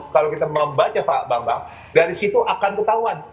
kalau kita membaca pak bambang dari situ akan ketahuan